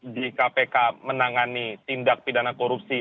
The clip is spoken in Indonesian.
di kpk menangani tindak pidana korupsi